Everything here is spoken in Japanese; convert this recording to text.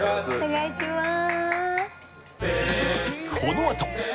お願いしまーす